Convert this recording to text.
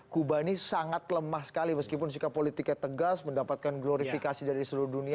kuba ini sangat lemah sekali meskipun sikap politiknya tegas mendapatkan glorifikasi dari seluruh dunia